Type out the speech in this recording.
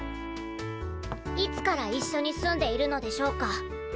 いつから一緒に住んでいるのでしょうか？